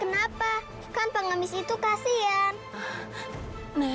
hacatika jangan menintasi garis putih ini